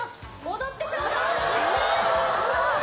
踊ってちょうだい。